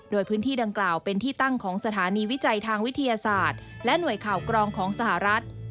โดยพื้นที่ดังกล่าวเป็นที่ตั้งของสถานีวิจัยทางวิทยาศาสตร์และหน่วยข่าวกรองของสหรัฐ